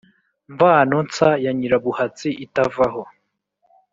Mvano-nsa ya Nyirabuhatsi itavaho,